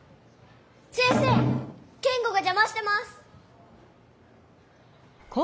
先生ケンゴがじゃましてます！